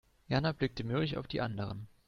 Jana blickte mürrisch auf die anderen.